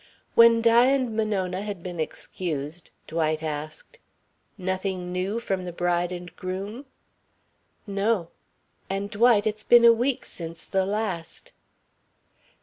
When Di and Monona had been excused, Dwight asked: "Nothing new from the bride and groom?" "No. And, Dwight, it's been a week since the last."